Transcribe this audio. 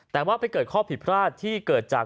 แต่ว่าไปเกิดข้อผิดพลาดที่เกิดจาก